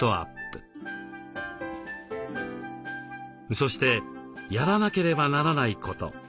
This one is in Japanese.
そしてやらなければならないこと。